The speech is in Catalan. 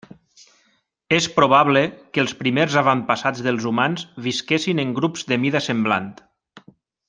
És probable que els primers avantpassats dels humans visquessin en grups de mida semblant.